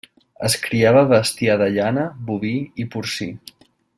Es criava bestiar de llana, boví i porcí.